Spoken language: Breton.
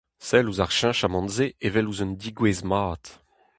Sell ouzh ar cheñchamant-se evel ouzh un degouezh mat.